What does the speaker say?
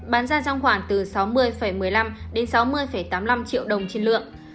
bán ra trong khoảng từ sáu mươi một mươi năm sáu mươi tám mươi năm triệu đồng trên lượng